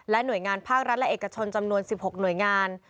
หน่วยงานภาครัฐและเอกชนจำนวน๑๖หน่วยงาน